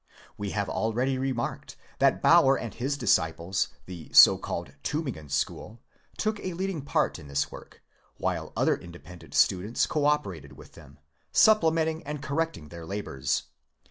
We have already remarked that Baur and his disciples, the so called Tiibingen school, took a leading part in this work, while other independent students co operated with them, supplementing and correcting their labours.